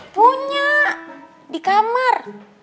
punya di kamar